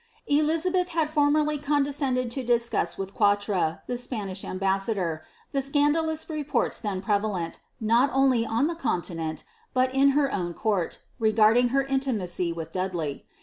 Elizabeth had formerly condescended to discuss with Quadra, ih Spanish ambassador, the scandalous reports then prevalent, not only a the continent, but in her own court, regarding her intimacy with Dad ley.